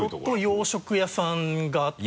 洋食屋さん